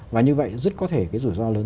và như vậy rất có thể cái rủi ro lớn